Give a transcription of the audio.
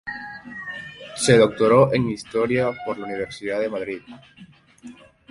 Se doctoró en Historia por la Universidad de Madrid.